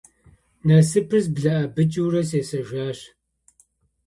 Насыпыр зблэӀэбыкӀыурэ сесэжащ.